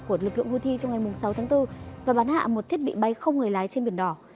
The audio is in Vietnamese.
của lực lượng houthi trong ngày sáu tháng bốn và bắn hạ một thiết bị bay không người lái trên biển đỏ